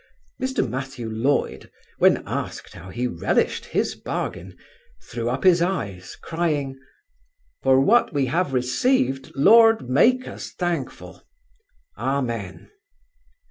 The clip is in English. Mr Matthew Loyd, when asked how he relished his bargain, throws up his eyes, crying, 'For what we have received, Lord make us thankful: amen.